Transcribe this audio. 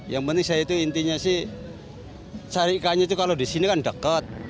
yang penting saya itu intinya sih carikannya kalau di sini kan deket